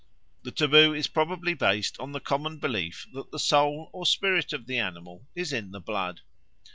The taboo is probably based on the common belief that the soul or spirit of the animal is in the blood.